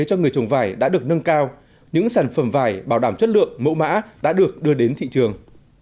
cho người trồng vải đã được nâng cao những sản phẩm vải bảo đảm chất lượng mẫu mã đã được đưa đến thị trường